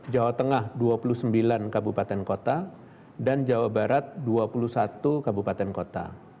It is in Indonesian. jawa tengah dua puluh sembilan kabupaten kota dan jawa barat dua puluh satu kabupaten kota